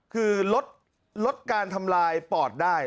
คือลดการทำลายปอดได้